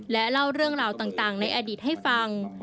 และเล่าเรื่องราวต่างในอดีตให้ฟัง